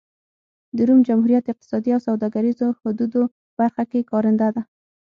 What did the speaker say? د روم جمهوریت اقتصادي او سوداګریزو حدودو برخه کې کارنده ده.